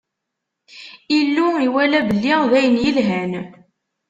Illu iwala belli d ayen yelhan.